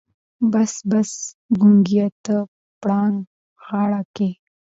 بس بس ګونګي ته پړانګ غار کې.